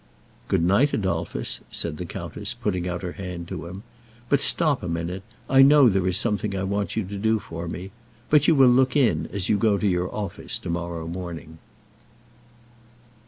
"Good night, Adolphus," said the countess, putting out her hand to him. "But stop a minute; I know there is something I want you to do for me. But you will look in as you go to your office to morrow morning."